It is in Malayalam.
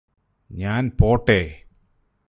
ഞാന് പോട്ടേ